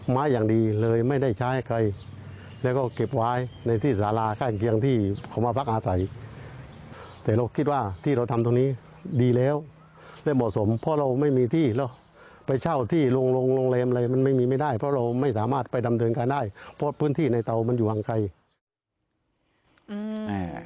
พื้นที่ในเตามันอยู่ห่างไกล